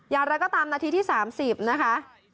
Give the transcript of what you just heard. อย่างไรก็ตามนาทีที่๓๐นะคะ